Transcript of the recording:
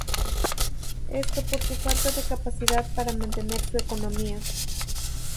Esto por su falta de capacidad para mantener su economía.